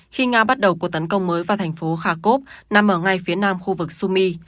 khi nga bắt đầu cuộc tấn công mới vào thành phố kharkov nằm ở ngay phía nam khu vực sumi